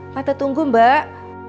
tante tunggu mbak